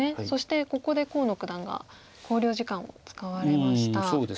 そしてここで河野九段が考慮時間を使われました。